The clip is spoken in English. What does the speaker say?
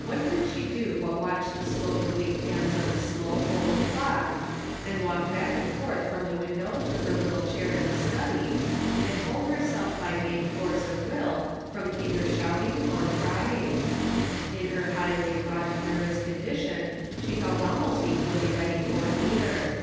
What could 179 180 THE UNEXPECTED HAPPENS, she do but watch the slow moving hands of the slow old clock, and walk back and forth from the window to her little chair in the study, and hold herself by main force of will from either shouting or crying? In her highly wrought nervous condition she felt almost equally ready for either.